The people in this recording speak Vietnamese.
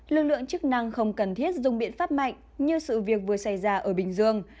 lực lượng chức năng không cần thiết dùng biện pháp mạnh như sự việc vừa xảy ra ở bình dương